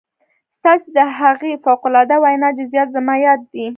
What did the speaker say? ستاسې د هغې فوق العاده وينا جزئيات زما ياد دي.